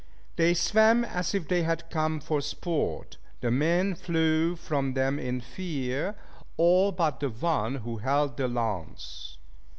They swam as if they had come for sport. The men flew from them in fear, all but the one who held the lance.